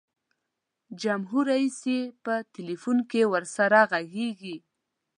جمهور رئیس یې په ټلفون کې ورسره ږغیږي.